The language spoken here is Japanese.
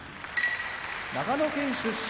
長野県出身